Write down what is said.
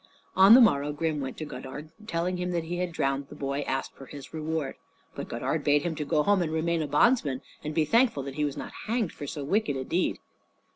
On the morrow Grim went to Godard, and telling him he had drowned the boy, asked for his reward. But Godard bade him go home and remain a bondsman, and be thankful that he was not hanged for so wicked a deed.